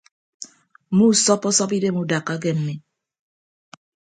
Muusọppọsọp idem udakka ke mmi.